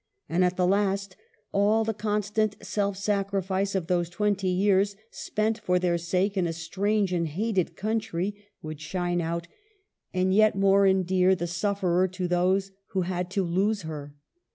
And, at the last, all the con stant self sacrifice of those twenty years, spent for their sake in a strange and hated country, would shine out, and yet more endear the sufferer to those who had to lose her.